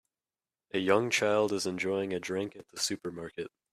A young child is enjoying a drink at the supermarket.